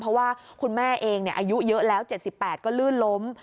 เพราะว่าคุณแม่เองอายุเยอะแล้ว๗๘ก็ลื่นล้ม